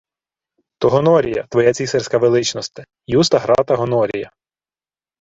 — То Гонорія, твоя цісарська величносте. Юста-Грата Гонорія.